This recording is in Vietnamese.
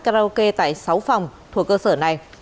karaoke tại sáu phòng thuộc cơ sở này